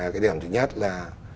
cái điểm thứ nhất là